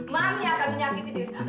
mami akan menyakiti diri